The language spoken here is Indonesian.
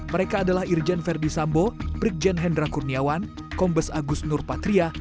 mereka adalah irjen verdi sambo brigjen hendra kurniawan kombes agus nur patria